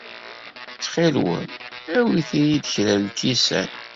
Ttxil-wen, awit-iyi-d kra n lkisan.